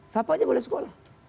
siapa saja boleh sekolah